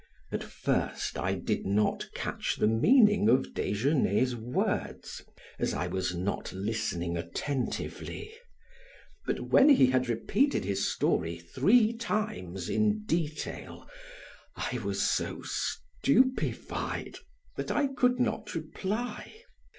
At first I did not catch the meaning of Desgenais' words as I was not listening attentively; but when he had repeated his story three times in detail I was so stupefied that I could not reply.